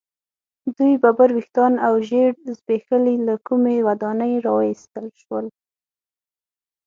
دوی ببر ویښتان او ژیړ زبیښلي له کومې ودانۍ را ویستل شول.